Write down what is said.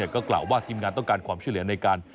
ก็กล่าวว่าทีมงานต้องการความช่วยเหลือในการ